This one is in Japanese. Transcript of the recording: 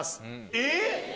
えっ！